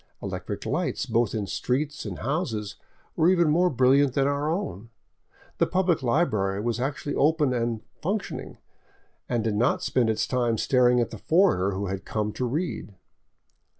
Electric lights both in streets and houses were even more brilliant than our own ; the public library was actually open and " functioning," and did not spend its time staring at the foreigner who had come to read.